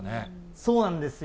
そうなんですよ。